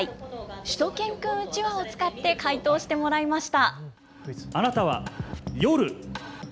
しゅと犬くんうちわを使って回答してもらいました。